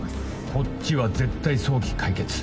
こっちは絶対早期解決。